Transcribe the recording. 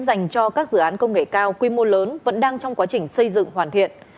dành cho các dự án công nghệ cao quy mô lớn vẫn đang trong quá trình xây dựng hoàn thiện